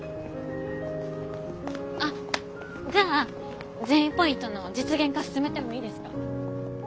あじゃあ善意ポイントの実現化進めてもいいですか？